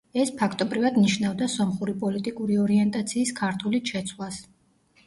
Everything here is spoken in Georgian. ეს, ფაქტობრივად, ნიშნავდა სომხური პოლიტიკური ორიენტაციის ქართულით შეცვლას.